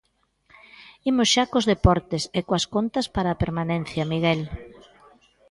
Imos xa cos deportes, e coas contas para a permanencia, Miguel.